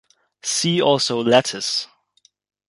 See also lattice.